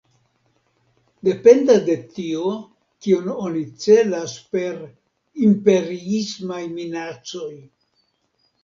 Dependas de tio, kion oni celas per “imperiismaj minacoj”.